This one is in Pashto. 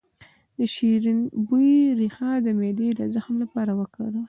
د شیرین بویې ریښه د معدې د زخم لپاره وکاروئ